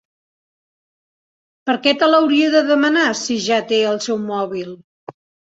Per què te l'hauria de demanar, si ja té el seu mòbil?